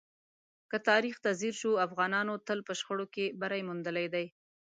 که تاریخ ته ځیر شو، افغانانو تل په شخړو کې بری موندلی دی.